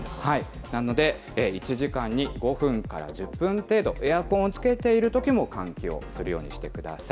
なので、１時間に５分から１０分程度、エアコンをつけているときも換気をするようにしてください。